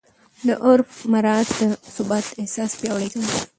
د عرف مراعات د ثبات احساس پیاوړی کوي.